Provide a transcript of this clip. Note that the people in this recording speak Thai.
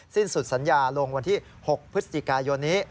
สิ้นสุดสัญญาลงวันที่๖พฤศจิกายนนี้